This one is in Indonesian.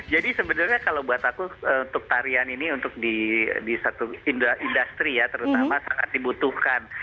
jadi sebenarnya kalau buat aku untuk tarian ini untuk di satu industri ya terutama sangat dibutuhkan